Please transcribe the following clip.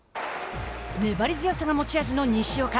粘り強さが持ち味の西岡。